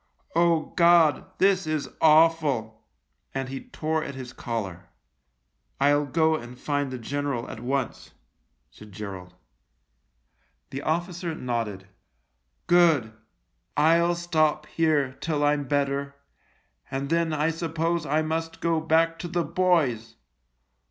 Oh, God, this is awful !" and he tore at his collar. "I'll go and find the general at once/' said Gerald. The officer nodded. " Good. I'll stop here till I'm better, and then I suppose I must go back to the boys.